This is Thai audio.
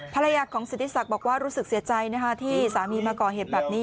ภรรยาของสิทธิศักดิ์บอกว่ารู้สึกเสียใจที่สามีมาก่อเหตุแบบนี้